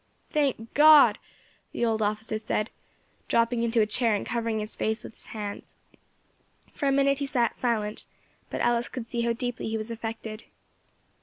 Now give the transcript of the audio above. "Thank God!" the old officer said, dropping into a chair and covering his face with his hands. For a minute he sat silent, but Alice could see how deeply he was affected.